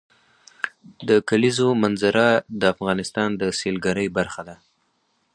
د کلیزو منظره د افغانستان د سیلګرۍ برخه ده.